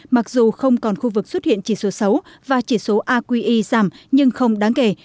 mặc dù không còn khu vực xuất hiện chỉ số xấu và chỉ số aqi giảm nhưng không đáng kể